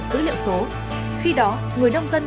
dữ liệu số khi đó người nông dân